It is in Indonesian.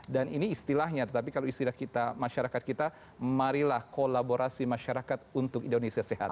dan ini istilahnya tetapi kalau istilah kita masyarakat kita marilah kolaborasi masyarakat untuk indonesia sehat